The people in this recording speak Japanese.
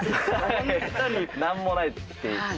「何もない」って。